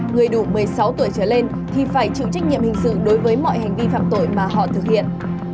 người đủ một mươi sáu tuổi trở lên thì phải chịu trách nhiệm hình sự đối với mọi hành vi phạm tội mà họ thực hiện